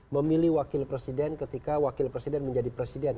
memilih wakil presiden ketika wakil presiden menjadi presiden